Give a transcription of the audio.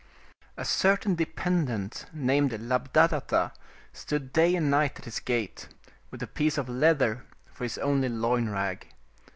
A certain dependent named Labdhadatta stood day and night at his gate, with a piece of leather for his only loin rag.